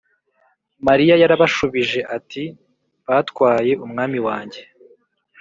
Mariya yarabashubije ati batwaye umwami wanjye